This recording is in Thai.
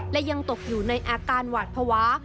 และยังตกอยู่ในอาการหวาดภาวะ